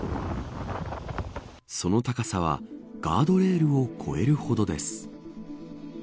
その高さはガードレールを超えるほどです。